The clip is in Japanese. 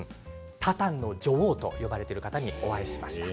タタンの女王と呼ばれている方にお会いしました。